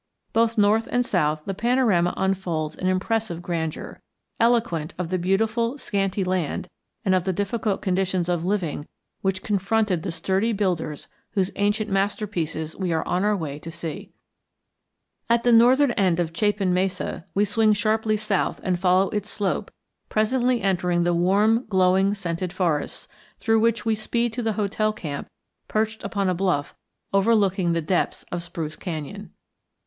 Both north and south the panorama unfolds in impressive grandeur, eloquent of the beautiful scanty land and of the difficult conditions of living which confronted the sturdy builders whose ancient masterpieces we are on our way to see. At the northern end of Chapin Mesa we swing sharply south and follow its slope, presently entering the warm, glowing, scented forests, through which we speed to the hotel camp perched upon a bluff overlooking the depths of Spruce Canyon.